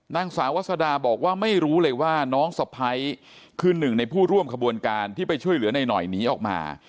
นางสาวัสดาบอกว่าไม่รู้เลยว่าน้องสะพ้ายคือหนึ่งในผู้ร่วมขบวนการที่ไปช่วยเหลือในหน่อยหนีออกมา